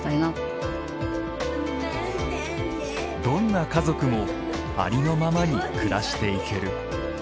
どんな家族もありのままに暮らしていける。